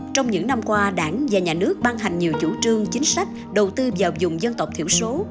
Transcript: trong những năm qua đảng và nhà nước ban hành nhiều chủ trương chính sách đầu tư vào dùng dân tộc thiểu số